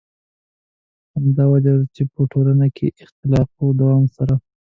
همدا وجه ده چې په ټولنه کې اخلاقو دوام سره.